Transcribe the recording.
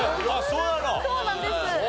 そうなんです。